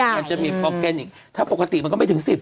มันจะมีฟอร์แกนอีกถ้าปกติมันก็ไม่ถึง๑๐